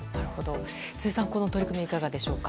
辻さん、この取り組みいかがですか。